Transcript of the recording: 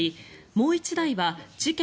もう１台は事件